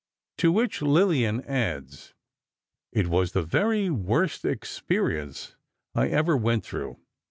To which Lillian adds: "It was the very worst experience I ever went through.